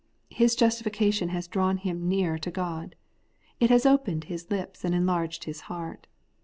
His justification has drawn him near to God. It has opened his lips and enlarged his heart.